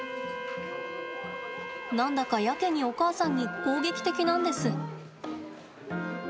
何だか、やけにお母さんに攻撃的なんです。